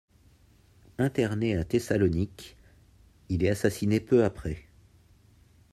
Interné à Thessalonique, il est assassiné peu après.